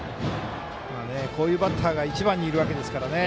こういうバッターが１番にいるわけですからね。